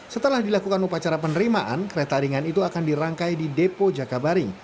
setelah dilakukan upacara penerimaan kereta ringan itu akan dirangkai di depo jakabaring